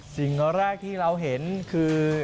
สิ่งแรกที่เราเห็นคือ